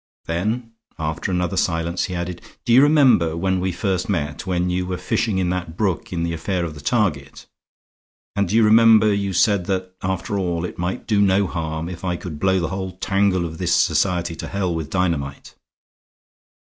Then after another silence he added: "Do you remember when we first met, when you were fishing in that brook in the affair of the target? And do you remember you said that, after all, it might do no harm if I could blow the whole tangle of this society to hell with dynamite."